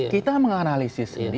kita menganalisis sendiri